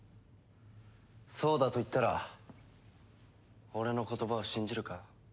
そうだと言ったら俺の言葉を信じるか？